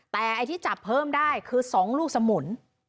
แต่ไอ้ที่จับเพิ่มได้คือ๒ลูกสมุน